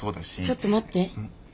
ちょっと待って。